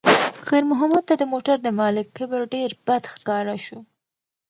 خیر محمد ته د موټر د مالک کبر ډېر بد ښکاره شو.